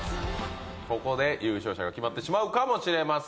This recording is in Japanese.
ここで優勝者が決まってしまうかもしれません。